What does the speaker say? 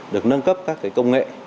được nâng cấp các cái công nghệ